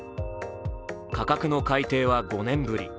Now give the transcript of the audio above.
価格の改定は５年ぶり。